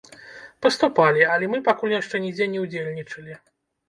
Паступалі, але мы пакуль яшчэ нідзе не ўдзельнічалі.